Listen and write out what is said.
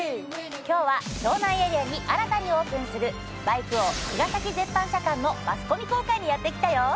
今日は湘南エリアに新たにオープンするバイク王茅ヶ崎絶版車館のマスコミ公開にやって来たよ。